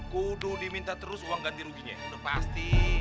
kudu diminta terus uang ganti ruginya ya udah pasti